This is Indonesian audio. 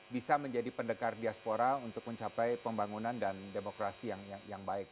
bisa menjadi pendekar diaspora untuk mencapai pembangunan dan demokrasi yang baik